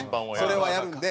それはやるんで。